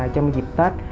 trong một dịp tết